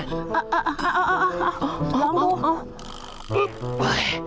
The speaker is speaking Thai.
ล้อมลูก